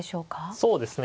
そうですね。